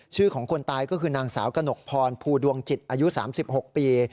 ชื่อของคนตายก็คือนางสาวกระหนกพรภูดวงจิตอายุ๓๖ปี